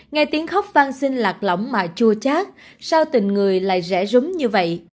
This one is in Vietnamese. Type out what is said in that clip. nghe tiếng khóc vang sinh lạc lỏng mà chua chát sao tình người lại rẽ rúm như vậy